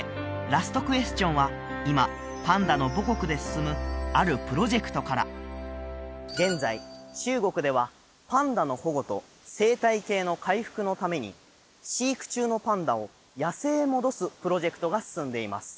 ラストクエスチョンは今パンダの母国で進むあるプロジェクトから現在中国ではパンダの保護と生態系の回復のために飼育中のパンダを野生へ戻すプロジェクトが進んでいます